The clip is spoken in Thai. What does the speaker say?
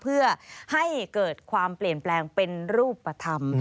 เพื่อให้เกิดความเปลี่ยนแปลงเป็นรูปธรรม